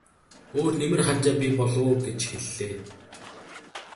Өөр нэмэр хамжаа бий болов уу гэж хэллээ.